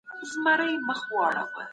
زما ملګری راته زنګ ووهه او احوال یې وپوښت.